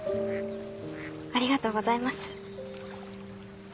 ありがとうございます。